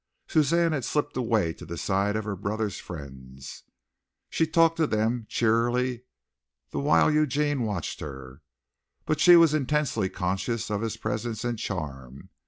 Suzanne had slipped away to the side of her brother's friends. She talked to them cheerily the while Eugene watched her, but she was intensely conscious of his presence and charm.